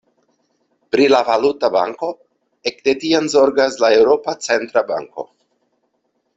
Pri la valuta banko ekde tiam zorgas la Eŭropa Centra Banko.